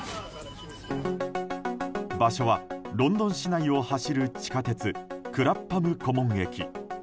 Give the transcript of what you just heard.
場所はロンドン市内を走る地下鉄クラッパム・コモン駅。